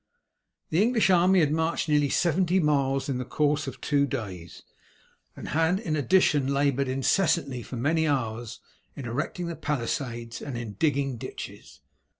The English army had marched nearly seventy miles in the course of two days, and had in addition laboured incessantly for many hours in erecting the palisades and in digging ditches.